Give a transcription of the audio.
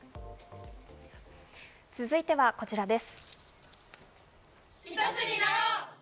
続いてはこちらです。